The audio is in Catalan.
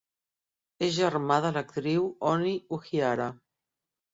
És germà de l'actriu Ony Uhiara.